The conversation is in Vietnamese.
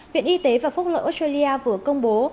viện y tế và phúc lợi australia vừa công bố